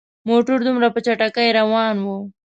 موټر دومره په چټکۍ روان وو.